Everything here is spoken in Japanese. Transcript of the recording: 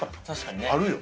確かにね。